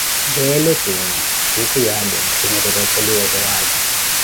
leelo juumwa, siikhu ya alume, kineettela ocheliwa o powaati.